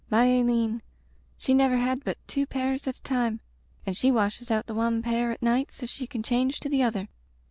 My Aileen — she never had but two pairs at a time and she washes out the wan pair at night so she can change to the other.